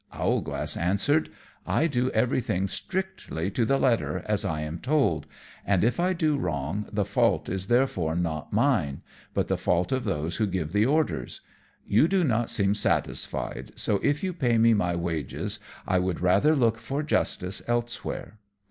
Owlglass answered, "I do everything strictly to the letter, as I am told, and if I do wrong, the fault is therefore not mine, but the fault of those who give the orders. You do not seem satisfied, so, if you pay me my wages, I would rather look for justice elsewhere."